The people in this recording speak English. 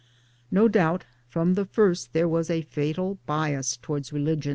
No doubt from the first there was a fatal bias towards religion.